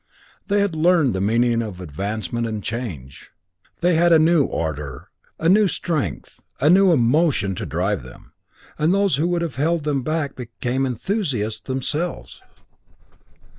They had learned the meaning of advancement and change. They had a new ardor, a new strength, a new emotion to drive them, and those who would have held them back became enthusiasts themselves.